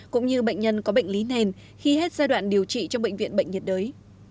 cũng như bệnh nhân có bệnh lý nền khi hết giai đoạn điều trị trong bệnh viện bệnh nhiệt đới